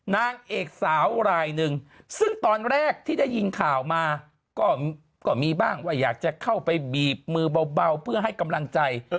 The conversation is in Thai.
นางเอกสาวรายหนึ่งซึ่งตอนแรกที่ได้ยินข่าวมาก็มีบ้างว่าอยากจะเข้าไปบีบมือเบาเพื่อให้กำลังใจ